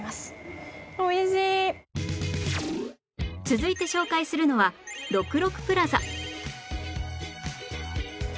続いて紹介するのは６６プラザ